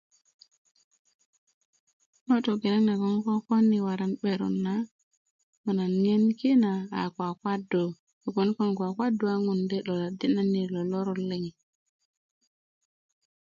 ŋo togeleŋ naŋ 'n kokon waran 'beron na ko nan ŋiyun ki na a kwakwadu kobgon kon kwakwadu a ŋun de 'doladi na i lo lor liŋ